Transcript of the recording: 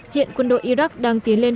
hiện quân đội iraq đang tiến lên